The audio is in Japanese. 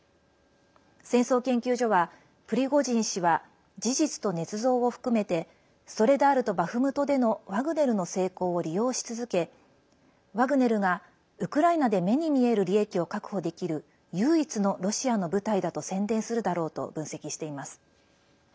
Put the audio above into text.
戦争研究所はプリゴジン氏は事実とねつ造を含めてソレダールとバフムトでのワグネルの成功を利用し続けワグネルがウクライナで目に見える利益を確保できる唯一のロシアの部隊だと宣伝するだろうと分析しています。